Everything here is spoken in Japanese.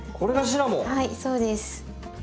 はいそうです。